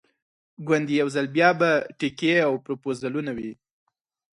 ګوندې یو ځل بیا به ټیکې او پروپوزلونه وي.